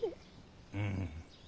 うん。